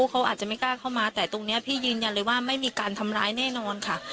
เขาอาจจะไม่กล้าเข้ามาแต่ตรงนี้พี่ยืนยันเลยว่าไม่มีการทำร้ายแน่นอนค่ะ